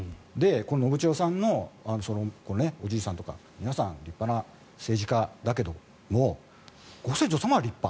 信千世さんのおじいさんとか皆さん立派な政治家だけどもご先祖様は立派。